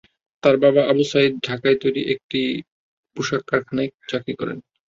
তার বাবা আবু সাঈদ ঢাকায় একটি তৈরি পোশাক কারখানায় চাকরি করেন।